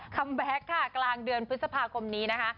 แบ็คค่ะกลางเดือนพฤษภาคมนี้นะคะ